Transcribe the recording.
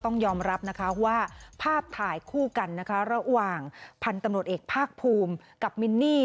ต้องยอมรับนะคะว่าภาพถ่ายคู่กันนะคะระหว่างพันธุ์ตำรวจเอกภาคภูมิกับมินนี่